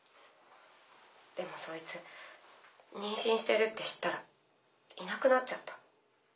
でもそいつ妊娠してるって知ったらいなくなっちゃった。